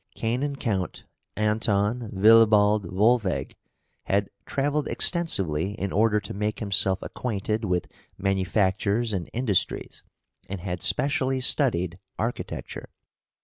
Canon Count Anton Wilibald Wolfegg had travelled extensively in order to make himself acquainted with manufactures and industries, and had specially studied architecture.